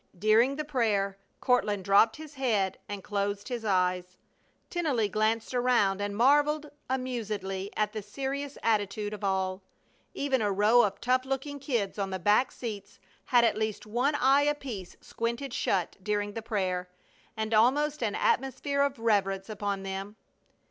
During the prayer Courtland dropped his head and closed his eyes. Tennelly glanced around and marveled amusedly at the serious attitude of all. Even a row of tough looking kids on the back seats had at least one eye apiece squinted shut during the prayer, and almost an atmosphere of reverence upon them.